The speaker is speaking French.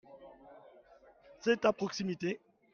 C'est à proximité ?